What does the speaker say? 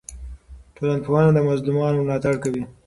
ټولنپوهنه د مظلومانو ملاتړ کوي.